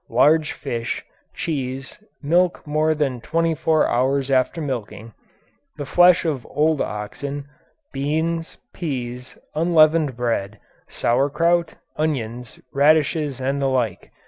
Large fish, cheese, milk more than twenty four hours after milking, the flesh of old oxen, beans, peas, unleavened bread, sauerkraut, onions, radishes and the like.